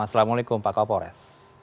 assalamualaikum pak kapolres